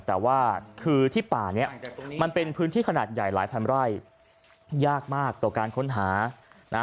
แต่ว่าคือที่ป่านี้มันเป็นพื้นที่ขนาดใหญ่หลายพันไร่ยากมากต่อการค้นหานะ